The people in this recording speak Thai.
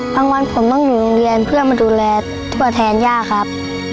วันผมต้องอยู่โรงเรียนเพื่อมาดูแลทั่วแทนย่าครับ